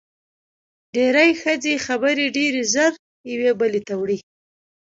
ډېری ښځې خبرې ډېرې زر یوې بلې ته وړي.